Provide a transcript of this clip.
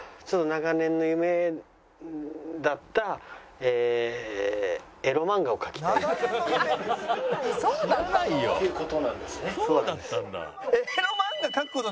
「そうだったの？」